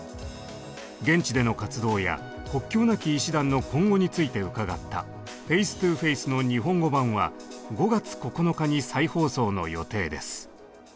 現地での活動や国境なき医師団の今後について伺った「ＦａｃｅＴｏＦａｃｅ」の日本語版は５月９日に再放送の予定です。